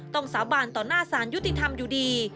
สาบานต่อหน้าสารยุติธรรมอยู่ดี